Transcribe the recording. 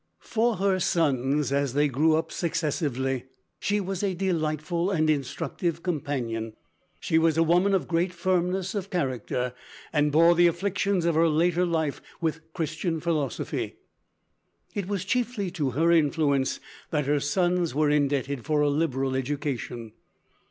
"For her sons, as they grew up successively, she was a delightful and instructive companion.... She was a woman of great firmness of character, and bore the afflictions of her later life with Christian philosophy.... It was chiefly to her influence, that her sons were indebted for a liberal education.